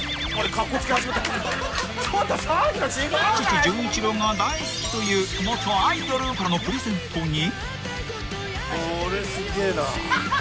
［父純一郎が大好きという元アイドルからのプレゼントに］